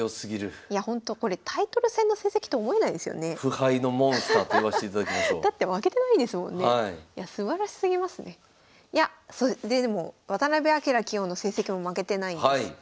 いやでも渡辺明棋王の成績も負けてないんです。